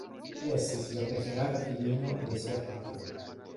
Ŝi estis la preferata filino de sia patro.